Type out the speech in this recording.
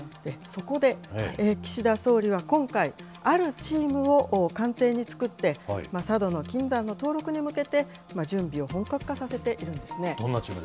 そこで岸田総理は今回、あるチームを官邸に作って、佐渡島の金山の登録に向けて準備を本格化させているんですね。